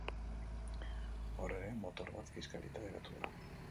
Hor ere, motor bat kiskalita geratu da.